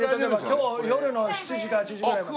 今日夜の７時か８時ぐらいまで。